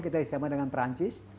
kita sama dengan prancis